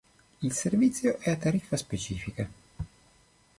Il servizio è a tariffa specifica.